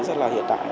rất là hiện tại